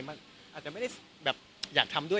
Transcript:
มันอาจจะไม่ได้แบบอยากทำด้วย